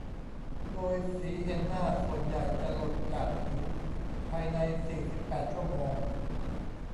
โดยสีเฮนน่าส่วนใหญ่จะหลุดจากผิวภายใน สี่สิบแปด ชั่วโมง